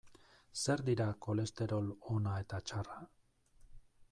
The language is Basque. Zer dira kolesterol ona eta txarra?